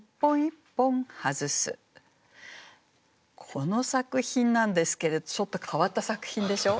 この作品なんですけどちょっと変わった作品でしょう？